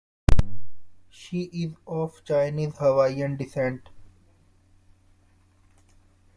She is of Chinese Hawaiian descent.